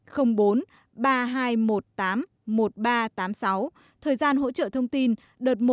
thời gian hỗ trợ thông tin đợt một từ ngày một tháng bốn năm hai nghìn một mươi bảy